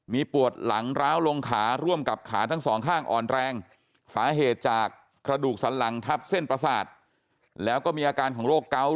มีปวดหลังร้าวลงขาร่วมกับขาทั้ง๒ข้างอ่อนแรง